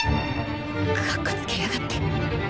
かっこつけやがって！